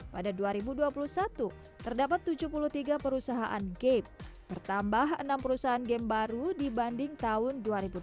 pada dua ribu dua puluh satu terdapat tujuh puluh tiga perusahaan game bertambah enam perusahaan game baru dibanding tahun dua ribu dua puluh